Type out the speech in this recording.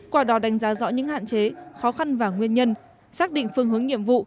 quả đỏ đánh giá rõ những hạn chế khó khăn và nguyên nhân xác định phương hướng nhiệm vụ